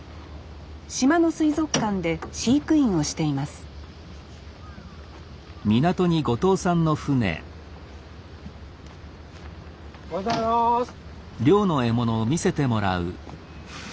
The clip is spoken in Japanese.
島の水族館で飼育員をしていますおはようございます。